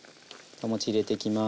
お餅入れていきます。